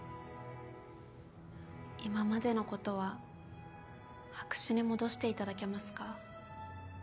今までのことは白紙に戻していただけますか？